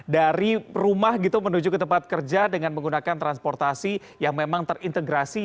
dari rumah gitu menuju ke tempat kerja dengan menggunakan transportasi yang memang terintegrasi